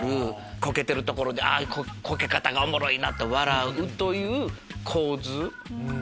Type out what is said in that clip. コケてるところで「コケ方がおもろいな」と笑うという構図。